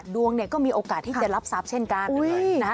ดวงก็มีโอกาสที่จะรับทรัพย์เช่นกัน